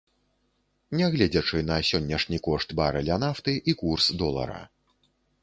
Нягледзячы на сённяшнія кошт барэля нафты і курс долара.